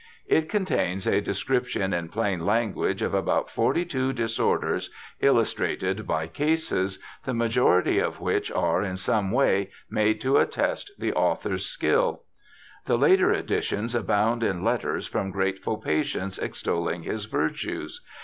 It contains a description in plain language of about forty two disorders, illustrated by cases, the majority of which are in some way made to attest the author's skill. The later editions abound in letters from grateful patients, extolling his virtues.